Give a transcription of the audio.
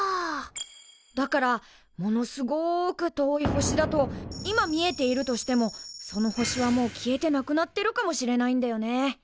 だからものすごく遠い星だと今見えているとしてもその星はもう消えてなくなってるかもしれないんだよね。